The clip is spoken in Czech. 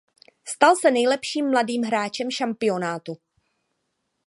Stal se nejlepším mladým hráčem šampionátu.